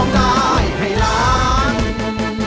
ตายให้ร้าน